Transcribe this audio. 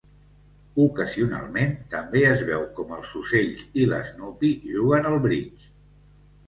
Ocasionalment, també es veu com els ocells i l'Snoopy juguen al bridge.